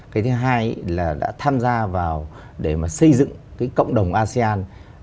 cái thứ hai là đã tham gia vào để mà xây dựng cái cộng đồng asean